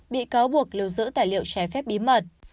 bị cáo buộc lưu giữ tài liệu trái phép bí mật